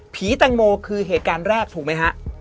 แตงโมคือเหตุการณ์แรกถูกไหมฮะ